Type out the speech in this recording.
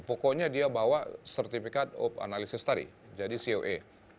pokoknya dia bawa certificate of analysis tadi jadi coe